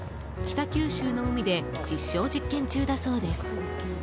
北九州の海で実証実験中だそうです。